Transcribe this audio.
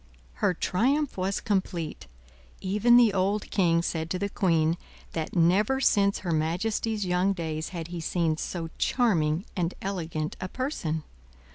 Her triumph was complete; even the old king said to the queen, that never since her majesty's young days had he seen so charming and elegant a person.